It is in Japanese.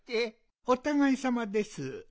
おたがいさまです。